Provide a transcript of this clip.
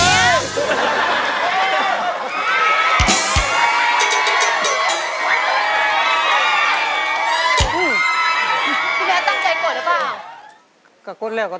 เพลงนี้อยู่ในอาราบัมชุดแรกของคุณแจ็คเลยนะครับ